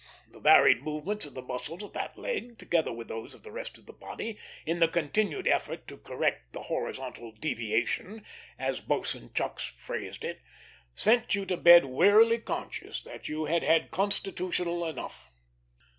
The varied movements of the muscles of that leg, together with those of the rest of the body, in the continued effort "to correct the horizontal deviation," as Boatswain Chucks phrased it, sent you to bed wearily conscious that you had had constitutional enough.